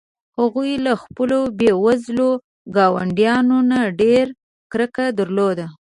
هغوی له خپلو بې وزلو ګاونډیو نه ډېره کرکه درلوده.